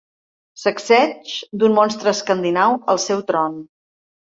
Sacseig d'un monstre escandinau al seu tron.